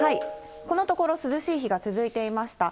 このところ、涼しい日が続いていました。